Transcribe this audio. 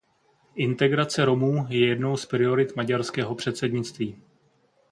Integrace Romů je jednou z priorit maďarského předsednictví.